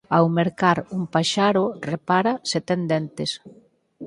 Ao mercar un paxaro, repara se ten dentes.